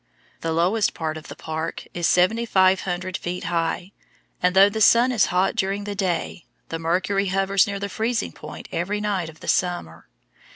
The lowest part of the Park is 7,500 feet high; and though the sun is hot during the day, the mercury hovers near the freezing point every night of the summer.